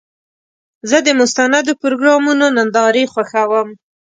زه د مستندو پروګرامونو نندارې خوښوم.